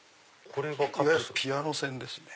いわゆるピアノ線ですね。